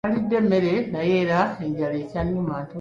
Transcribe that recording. Nalidde emmere naye era enjala ekyannuma.